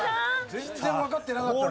全然わかってなかった。